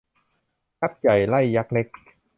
ยักษ์ใหญ่ ไล่ยักษ์เล็ก